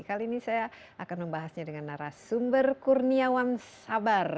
kali ini saya akan membahasnya dengan narasumber kurniawan sabar